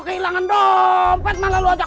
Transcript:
kehilangan dompet malah lu ajak